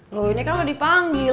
loh ini kan udah dipanggil